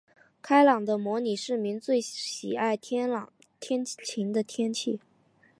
开朗的模拟市民最喜爱天晴的天气。